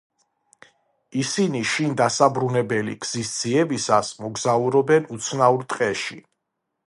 ისინი შინ დასაბრუნებელი გზის ძიებისას მოგზაურობენ უცნაურ ტყეში.